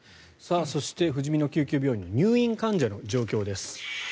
そしてふじみの救急病院の入院患者の状況です。